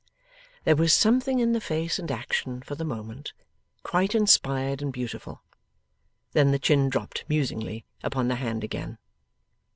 There was something in the face and action for the moment, quite inspired and beautiful. Then the chin dropped musingly upon the hand again.